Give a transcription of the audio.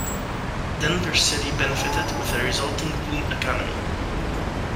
Denver City benefited with a resulting boom economy.